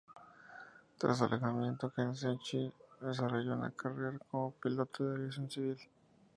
Tras su alejamiento de Queensrÿche desarrolló una carrera como piloto de aviación civil.